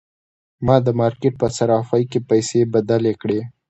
ما د مارکیټ په صرافۍ کې پیسې بدلې کړې.